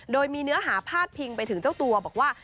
โดยมีเนื้อหาพาดพิงไปถึงเจ้าตัวบอกว่า